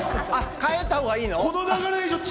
帰ったほうがいいの？